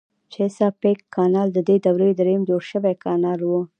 چیساپیک کانال ددې دورې دریم جوړ شوی کانال و.